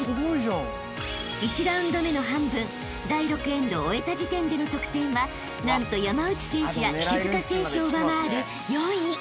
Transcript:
［１ラウンド目の半分第６エンドを終えた時点での得点は何と山内選手や岸塚選手を上回る４位］